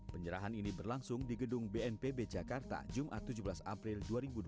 penyerahan ini berlangsung di gedung bnpb jakarta jumat tujuh belas april dua ribu dua puluh